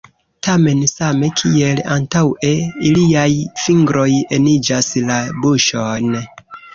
Tamen, same kiel antaŭe, iliaj fingroj eniĝas la buŝon.